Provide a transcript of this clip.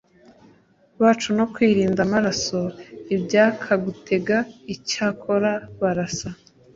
bacu no kwirinda amaraso ibyaka gutega icyakora barasa